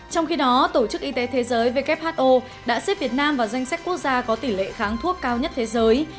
trong khi đó tổ chức y tế thế giới who đã xếp việt nam vào danh sách quốc gia có tỷ lệ kháng thuốc cao nhất thế giới